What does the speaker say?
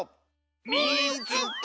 「みいつけた！」。